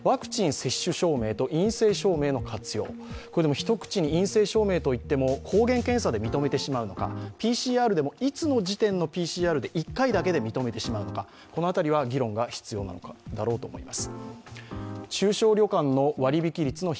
一口に陰性検査といっても、抗原検査で認めてしまうのか、ＰＣＲでも、いつの時点でのＰＣＲで１回だけで認めてしまうのかこの辺りは議論が必要なんだろうと思います。